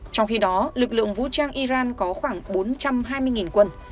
trong khi đó lực lượng vũ trang iran có khoảng bốn trăm hai mươi quân